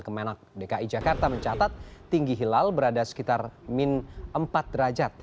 kemenak dki jakarta mencatat tinggi hilal berada sekitar min empat derajat